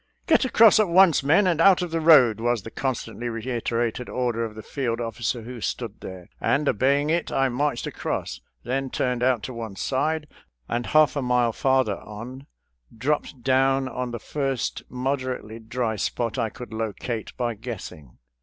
" Get across at once, men, and get out of the road," was the constantly reiterated order of the field officer who stood there, and obeying it I marched across, then turned out to one side, and half a mile farther on dropped down on the first moderately dry spot I could locate by guessing.